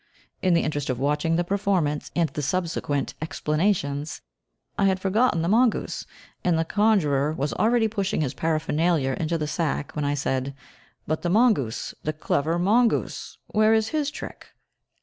In the interest of watching the performance and the subsequent explanations, I had forgotten the mongoose, and the conjurer was already pushing his paraphernalia into the sack, when I said, "But the mongoose, the clever mongoose, where is his trick?"